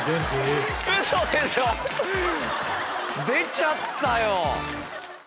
⁉出ちゃったよ！